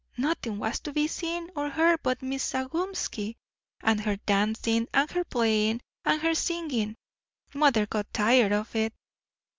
Nothing was to be seen or heard but Miss Zagumski, and her dancing, and her playing, and her singing. Mother got tired of it."